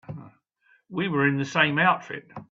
We were in the same outfit.